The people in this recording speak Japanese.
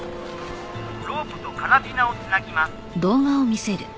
「ロープとカラビナを繋ぎます」